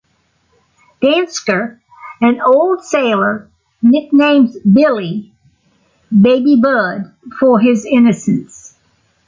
Dansker, an old sailor, nicknames Billy "Baby Budd" for his innocence.